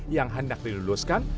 yang hendak diluluskan